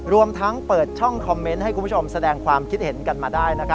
รวมทั้งเปิดช่องคอมเมนต์ให้คุณผู้ชมแสดงความคิดเห็นกันมาได้